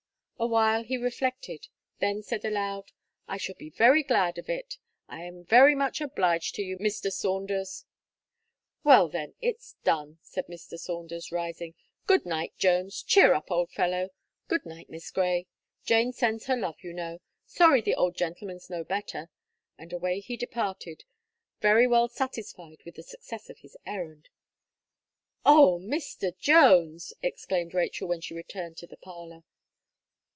Awhile he reflected, then said aloud: "I shall be very glad of it, lam very much obliged to you, Mr. Saunders." "Well, then, it's done," said Mr. Saunders, rising, "good night, Jones, cheer up, old fellow. Good night, Miss Gray; Jane sends her love, you know. Sorry the old gentleman's no better." And away he departed, very well satisfied with the success of his errand. "Oh! Mr. Jones!" exclaimed Rachel, when she returned to the parlour.